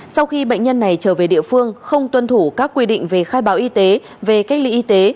sau khi bệnh nhân này trở về địa phương không tuân thủ các quy định về khai báo y tế về cách ly y tế